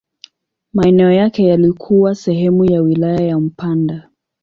Maeneo yake yalikuwa sehemu ya wilaya ya Mpanda.